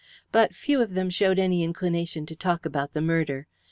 But few of them showed any inclination to talk about the murder.